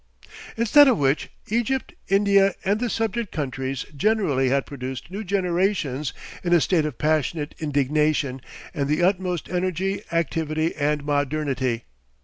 Instead of which, Egypt, India, and the subject countries generally had produced new generations in a state of passionate indignation and the utmost energy, activity and modernity.